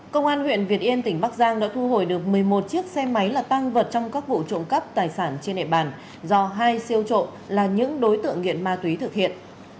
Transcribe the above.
công an huyện việt yên tỉnh bắc giang đã thu hồi được một mươi một chiếc xe máy là tăng vật trong các vụ trộm cắp tài sản trên địa bàn do hai siêu trộm là những đối tượng nghiện ma túy thực hiện